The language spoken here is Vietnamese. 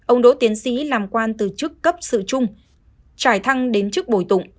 ông đối tiến sĩ làm quan từ chức cấp sự trung trải thăng đến chức bồi tụng